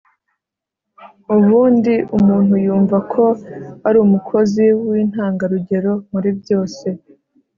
ubundi umuntu yumva ko ari umukozi w'intangarugero muri byose